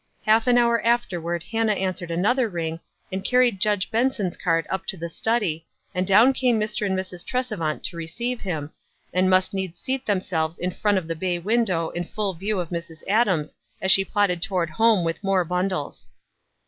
Half an hour afterward Hannah answered another WISE AKD OTHERWISE. 87 ring, and carried Judge Benson's card up to tho study, and down came Mr. and Mrs. Trcsevant to receive him, and must needs seat themselves in front of the bay window, in full view of Mrs. Adams as she plodded toward home with more bundles.